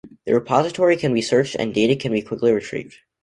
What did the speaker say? The repository can be searched and data can be quickly retrieved.